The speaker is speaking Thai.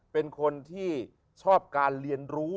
เป็นคนที่ชอบการเรียนรู้